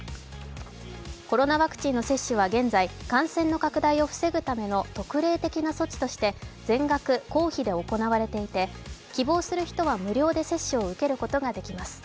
コロナワクチンの接種は現在、感染の拡大を防ぐための特例的な措置として全額公費で行われていて、希望する人は無料で接種を受けることができます。